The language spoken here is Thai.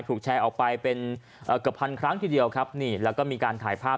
ถูกแชร์ออกไปเป็นเกือบพันครั้งทีเดียวครับนี่แล้วก็มีการถ่ายภาพ